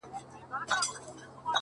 زما د زړه د كـور ډېـوې خلگ خبــري كوي،